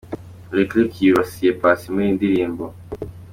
Licklick yibasiye Paccy muri iyi ndirimbo.